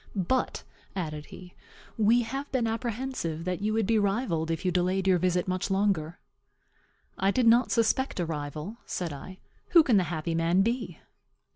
"But," added he, "we have been apprehensive that you would be rivalled if you delayed your visit much longer." "I did not suspect a rival," said I. "Who can the happy man be?"